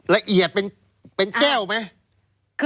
ละเอียดเป็นแก้วไหม